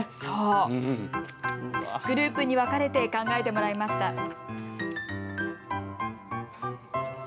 グループに分かれて考えてもらいました。